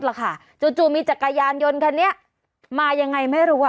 ล่ะค่ะจู่มีจักรยานยนต์คันนี้มายังไงไม่รู้อ่ะ